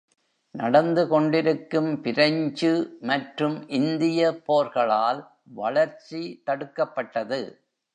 நடந்து கொண்டிருக்கும் பிரெஞ்சு மற்றும் இந்திய போர்களால் வளர்ச்சி தடுக்கப்பட்டது.